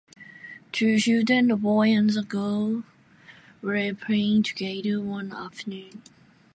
Two children, a boy and a girl, were playing together one afternoon.